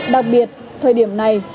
đặc biệt thời điểm này